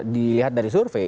dilihat dari survei